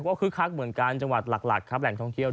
ก็คึกคักเหมือนกันจังหวัดหลักครับแหล่งท่องเที่ยว